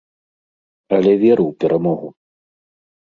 Але веру ў перамогу.